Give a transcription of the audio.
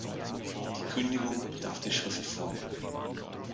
Die Kündigung bedarf der Schriftform.